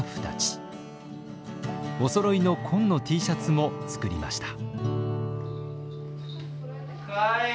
おそろいの紺のＴシャツも作りました。